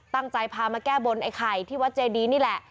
พามาแก้บนไอ้ไข่ที่วัดเจดีนี่แหละ